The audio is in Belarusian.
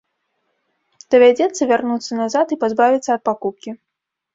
Давядзецца вярнуцца назад і пазбавіцца ад пакупкі.